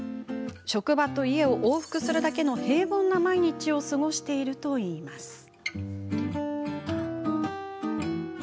職場と家を往復するだけの平凡な毎日を過ごしているといいます。